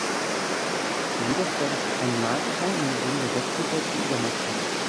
Jedoch soll es kein Markt sein, in dem der Wettbewerb die Übermacht hat.